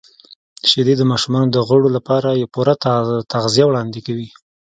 •شیدې د ماشومانو د غړو لپاره پوره تغذیه وړاندې کوي.